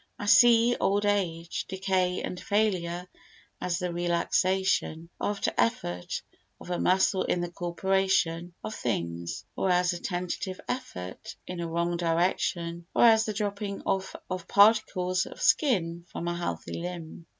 I see old age, decay and failure as the relaxation, after effort, of a muscle in the corporation of things, or as a tentative effort in a wrong direction, or as the dropping off of particles of skin from a healthy limb.